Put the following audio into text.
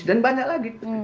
dan banyak lagi